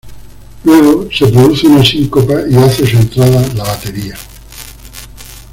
Luego, se produce una síncopa y hace su entrada la batería.